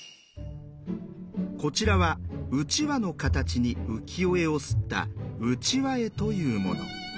こちらはうちわの形に浮世絵を摺った「うちわ絵」というもの。